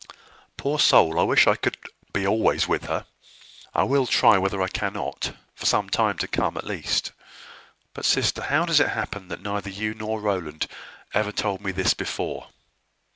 "Poor soul! I wish I could be always with her. I will try whether I cannot; for some time to come, at least. But, sister, how does it happen that neither you nor Rowland ever told me this before?"